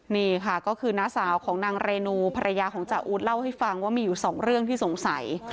นี่ค่ะก็คือน้าสาวของนางเรนูภรรยาของจาอู๊ดเล่าให้ฟังว่ามีอยู่สองเรื่องที่สงสัย